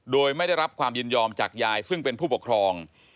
โดยไม่ได้รับความยินยอมจากยายซึ่งเป็นผู้ปกครอง